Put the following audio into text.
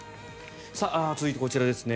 続いて、こちらですね。